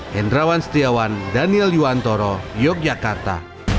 hendrawan setiawan daniel yuwantoro yogyakarta